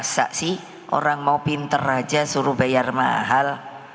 eh masa sih orang mau pinter saja suruh bayar mahal